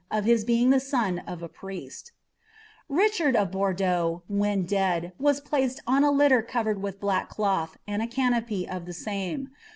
of his being the son of a priesU H <* iUcbard of Bonlenui, when dead, was placed on s lilirr rovonl ■ with black cloth, and a canopy of the nune.